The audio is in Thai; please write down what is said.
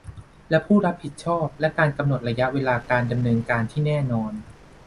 และ ผู้รับผิดชอบ และการกำหนดระยะเวลาการดำเนินการที่แน่นอน